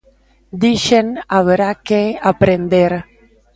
Dixen: "Haberá que aprender".